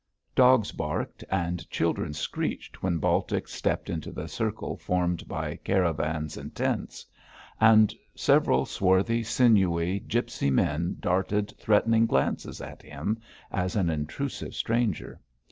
Dogs barked and children screeched when Baltic stepped into the circle formed by caravans and tents; and several swart, sinewy, gipsy men darted threatening glances at him as an intrusive stranger.